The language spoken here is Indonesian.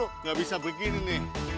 malah nggak bisa begini nih